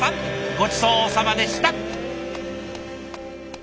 ごちそうさまでした。